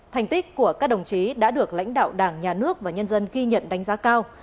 thành tích của các đồng chí đã được lãnh đạo đảng nhà nước và nhân dân ghi nhận đánh giá cao